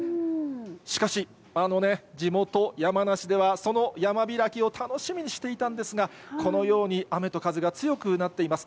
しかし、あのね、地元、山梨では、その山開きを楽しみにしていたんですが、このように雨と風が強くなっています。